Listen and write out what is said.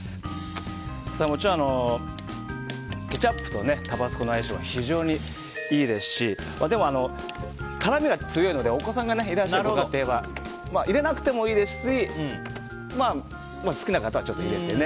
もちろんケチャップとタバスコの相性は非常にいいですしでも、辛みが強いのでお子さんがいらっしゃるご家庭は入れなくてもいいですし好きな方は入れて。